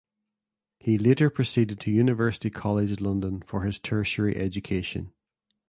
He later proceeded to University College London for his tertiary education.